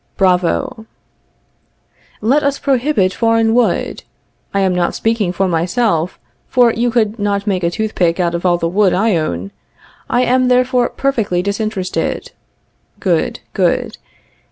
[Bravo.] Let us prohibit foreign wood. I am not speaking for myself, for you could not make a tooth pick out of all the wood I own. I am, therefore, perfectly disinterested. [Good, good.